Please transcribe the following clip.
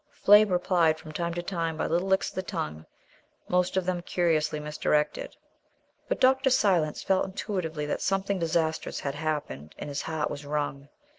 Flame replied from time to time by little licks of the tongue, most of them curiously misdirected. But Dr. Silence felt intuitively that something disastrous had happened, and his heart was wrung.